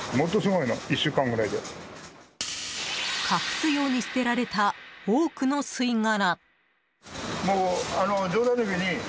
隠すように捨てられた多くの吸い殻。